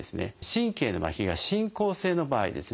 神経のまひが進行性の場合ですね